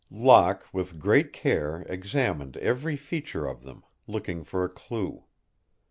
Locke with great care examined every feature of them, looking for a clue.